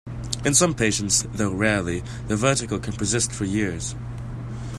In some patients, though rarely, the vertigo can persist for years.